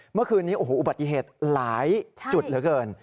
เมื่อคืนนี้โอ้โหอุบัติเหตุหลายจุดเหลือเกิน